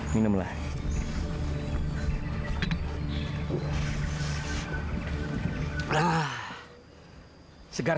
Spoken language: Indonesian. tidak usah hanya sebentar